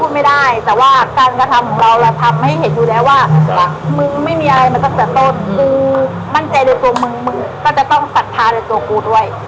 มึงก็จะต้องสัดท้าในตัวกูด้วย